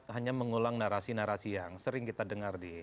hanya mengulang narasi narasi yang sering kita dengar di